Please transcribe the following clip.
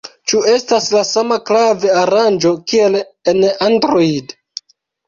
Ĉu estas la sama klav-aranĝo kiel en Android?